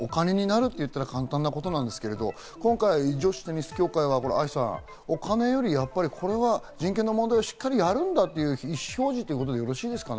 お金になるといったら簡単なことなんですけど、今回、女子テニス協会は愛さん、お金より人権の問題をしっかりやるんだという主張でよろしいですかね？